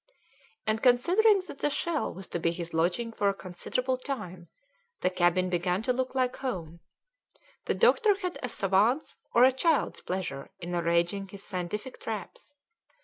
And considering that the shell was to be his lodging for a considerable time, the cabin began to look like home; the doctor had a savant's or a child's pleasure in arranging his scientific traps.